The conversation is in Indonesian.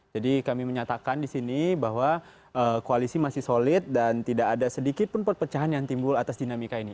jadi kami menyatakan di sini bahwa koalisi masih solid dan tidak ada sedikit pun perpecahan yang timbul atas dinamika ini